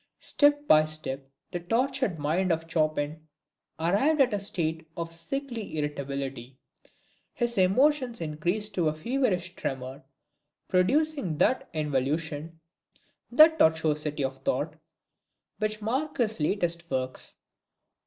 Step by step the tortured mind of Chopin arrived at a state of sickly irritability; his emotions increased to a feverish tremor, producing that involution, that tortuosity of thought, which mark his latest works.